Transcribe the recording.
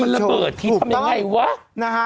มันระเบิดที่ทำยังไงวะ